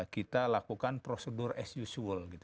kita lakukan prosedur as usual